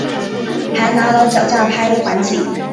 还拿了脚架拍环景